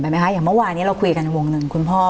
ไหมคะอย่างเมื่อวานี้เราคุยกันในวงหนึ่งคุณพ่อ